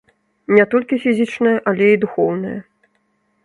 Не толькі фізічная, але і духоўная.